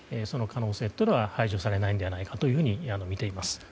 その可能性というのは排除されないのではないかと思っています。